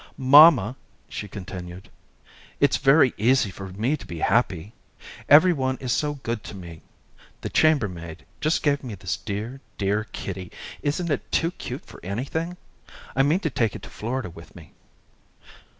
"Mamma," she continued, "it's very easy for me to be happy. Every one is so good to me. The chambermaid just gave me this dear, dear kitty. Isn't it too cute for anything? I mean to take it to Florida with me."